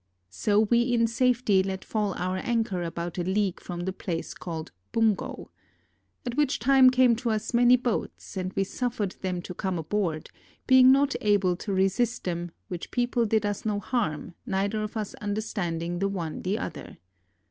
So we in safety let fall our anchor about a league from a place called Bungo. At which time came to us many boats, and we suffered them to come aboard, being not able to resist them, which people did us no harm, neither of us understanding the one the other.